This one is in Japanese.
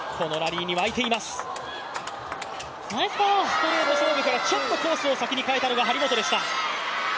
ストレートコースからちょっと先に変えたのが張本でした。